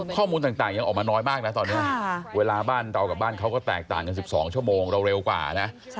ข้อมูลต่างยังออกมาน้อยมากนะตอนนี้เวลาบ้านเรากับบ้านเขาก็แตกต่างกัน๑๒ชั่วโมงเราเร็วกว่านะ